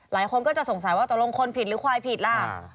หลายคนก็จะสงสัยว่าตกลงคนผิดหรือควายผิดล่ะ